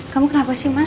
kamu kenapa sih mas